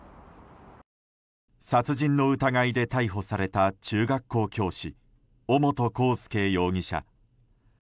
殺人の疑いで逮捕された中学校教師尾本幸祐容疑者。